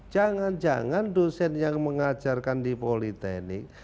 jangan jangan dosen yang mengajarkan di politik teknik